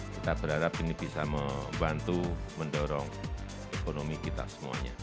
kita berharap ini bisa membantu mendorong ekonomi kita semuanya